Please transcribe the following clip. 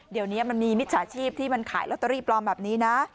เดี๋ยวนี้มันมีมิจฉาชีพที่มันขายลอตเตอรี่ปลอมแบบนี้นะ